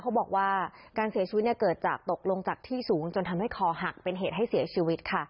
เขาบอกว่าการเสียชีวิตเกิดจากตกลงจากที่สูงจนทำให้คอหักเป็นเหตุให้เสียชีวิตค่ะ